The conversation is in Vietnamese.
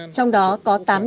trong đó có tám điểm mới